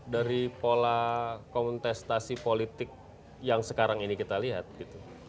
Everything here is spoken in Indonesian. dari pola kontestasi politik yang sekarang ini kita lihat gitu